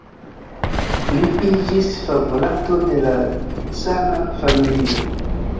Li iĝis favorato de la cara familio.